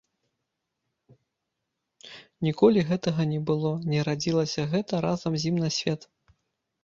Ніколі гэтага не было, не радзілася гэта разам з ім на свет!